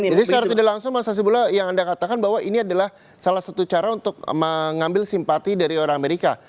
jadi secara tidak langsung mas asyidullah yang anda katakan bahwa ini adalah salah satu cara untuk mengambil simpati dari orang amerika